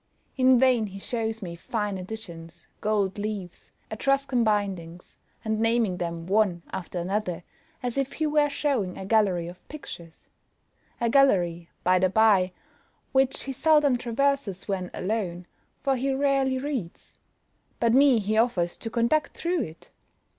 In vain he shows me fine editions, gold leaves, Etruscan bindings, and naming them one after another, as if he were showing a gallery of pictures! a gallery, by the bye, which he seldom traverses when alone, for he rarely reads; but me he offers to conduct through it!